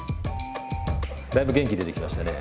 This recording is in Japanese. だいぶ元気出てきましたね。